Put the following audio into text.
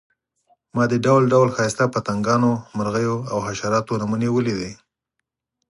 ما د ډول ډول ښایسته پتنګانو، مرغیو او حشراتو نمونې ولیدې.